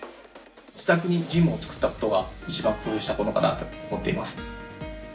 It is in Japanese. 自宅にジムを作ったことが一番工夫したことかなと思っています。